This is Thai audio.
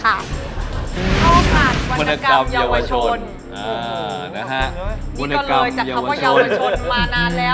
ชอบอ่านวรรณกรรมเยาวชนอ่านะฮะนี่ก็เลยจากคำว่าเยาวชนมานานแล้ว